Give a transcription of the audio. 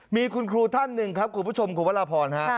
มีคุณครูท่านหนึ่งครับคุณผู้ชมคุณพระราพรฮะ